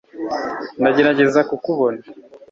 ndagerageza kukubona